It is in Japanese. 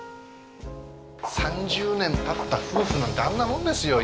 ３０年経った夫婦なんてあんなもんですよ。